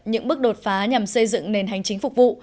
những bước đột phá nhằm xây dựng nền hành chính phục vụ